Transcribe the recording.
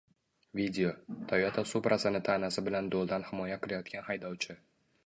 Video: Toyota Supra’sini tanasi bilan do‘ldan himoya qilayotgan haydovchi